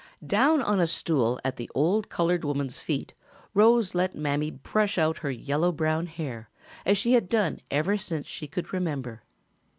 Down on a stool at the old colored woman's feet Rose let Mammy brush out her yellow brown hair as she had done ever since she could remember.